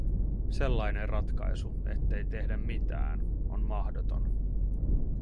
Sellainen ratkaisu, ettei tehdä mitään, on mahdoton.